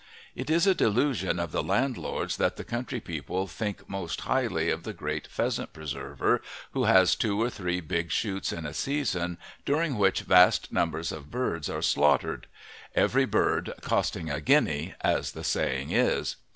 It is a delusion of the landlords that the country people think most highly of the great pheasant preserver who has two or three big shoots in a season, during which vast numbers of birds are slaughtered every bird "costing a guinea," as the saying is.